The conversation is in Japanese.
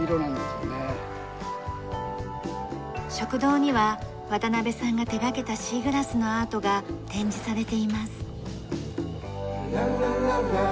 食堂には渡邊さんが手掛けたシーグラスのアートが展示されています。